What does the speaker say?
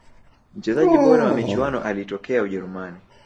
mchezaji bora wa michuano alitokea ujerumani